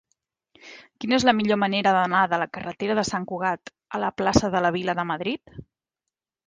Quina és la millor manera d'anar de la carretera de Sant Cugat a la plaça de la Vila de Madrid?